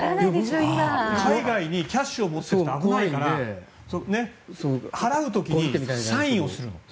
海外にキャッシュを持っていくと危ないから払う時にサインをするの。